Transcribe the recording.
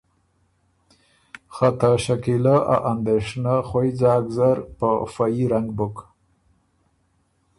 خه ته سکینۀ ا اندېشنۀ خوئ ځاک زر په فه يي رنګ بُک۔